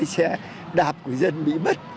xe đạp của dân bị bắt